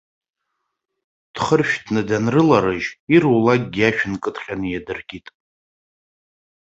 Дхыршәҭны данрыларыжь, ирулакгьы ашә нкыдҟьаны иадыркит.